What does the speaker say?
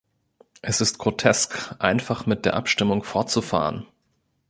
Es ist grotesk, einfach mit der Abstimmung fortzufahren.